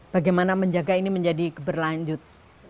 bagaimana menjaga ini menjadi berlanjut